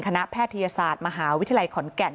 แพทยศาสตร์มหาวิทยาลัยขอนแก่น